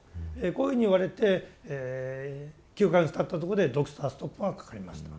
こういうふうに言われて９か月たったとこでドクターストップがかかりました。